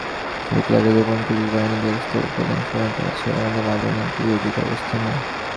হিটলারের গোপন পুলিশ বাহিনী গেস্টাপোর প্রধান সমাধিস্থ আছেন মধ্য বার্লিনের একটি ইহুদি কবরস্থানে।